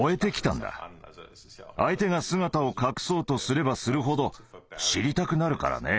相手が姿を隠そうとすればするほど知りたくなるからね。